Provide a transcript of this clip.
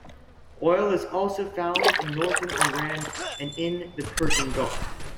Oil is also found in northern Iran and in the Persian Gulf.